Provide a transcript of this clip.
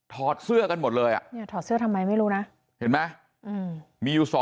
อดเสื้อกันหมดเลยอ่ะเนี่ยถอดเสื้อทำไมไม่รู้นะเห็นไหมมีอยู่๒